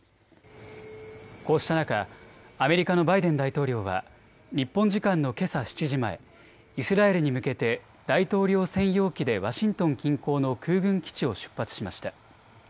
こうした中、アメリカのバイデン大統領は日本時間のけさ７時前、イスラエルに向けて大統領専用機でワシントン近郊の空軍基地を出発しました。